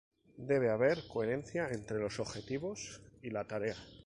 Debe haber coherencia entre los objetivos y la tarea.